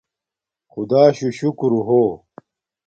خدݳشُݸ شُکُرݸ ہݸ.